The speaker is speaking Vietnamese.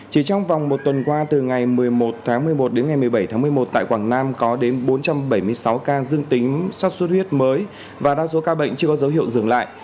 chỉ trong vòng một tuần qua từ ngày một mươi một tháng một mươi một đến ngày một mươi bảy tháng một mươi một tại quảng nam có đến bốn trăm bảy mươi sáu ca dương tính sắp xuất huyết mới và đa số ca bệnh chưa có dấu hiệu dừng lại